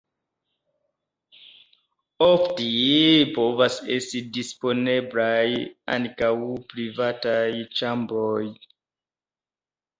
Ofte povas esti disponeblaj ankaŭ privataj ĉambroj.